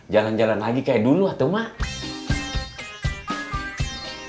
jalan jalan lagi kayak dulu atau mah